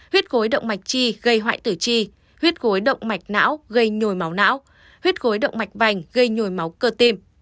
huyết gối động mạch chi gây hoại tử chi huyết gối động mạch não gây nhồi máu não huyết gối động mạch vành gây nhồi máu cơ tim